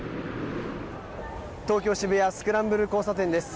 東京・渋谷スクランブル交差点です。